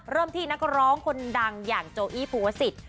ที่นักร้องคนดังอย่างโจอี้ภูวสิทธิ